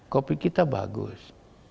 kopi kita bagus